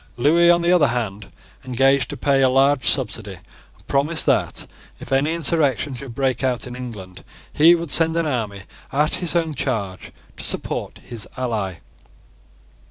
Lewis, on the other hand, engaged to pay a large subsidy, and promised that, if any insurrection should break out in England, he would send an army at his own charge to support his ally.